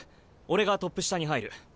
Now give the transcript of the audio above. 俺がトップ下に入る。